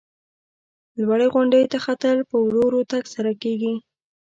لوړې غونډۍ ته ختل په ورو ورو تگ سره کیږي.